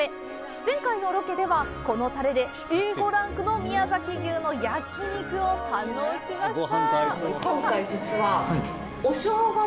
前回のロケではこのタレで、Ａ５ランクの宮崎牛の焼き肉を堪能しました！